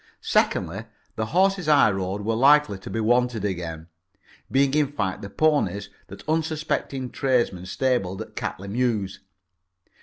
Secondly, the horses I rode were likely to be wanted again, being in fact the ponies that unsuspecting tradesmen stabled at Catley Mews.